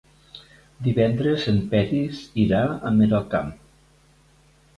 Divendres en Peris irà a Miralcamp.